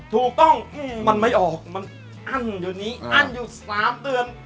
ถูกต้องมันไม่ออกมันอั้นอยู่นี้อั้นอยู่๓เดือน